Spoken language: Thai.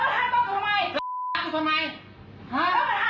แล้วตกทำไม